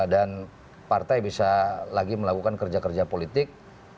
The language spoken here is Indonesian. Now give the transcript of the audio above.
partai bisa lagi melakukan kerja kerja politik